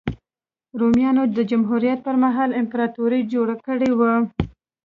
رومیانو د جمهوریت پرمهال امپراتوري جوړه کړې وه.